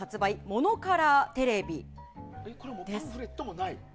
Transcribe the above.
モノカラーテレビです。